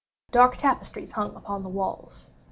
Dark draperies hung upon the walls.